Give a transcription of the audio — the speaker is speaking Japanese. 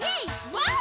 ワオ！